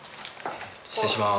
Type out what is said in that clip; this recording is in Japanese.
失礼します。